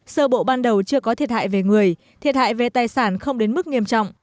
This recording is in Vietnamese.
sơ bộ ban đầu chưa có thiệt hại về người thiệt hại về tài sản không đến mức nghiêm trọng